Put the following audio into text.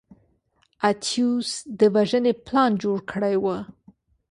اتیوس د وژنې پلان جوړ کړی و.